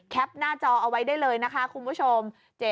หน้าจอเอาไว้ได้เลยนะคะคุณผู้ชม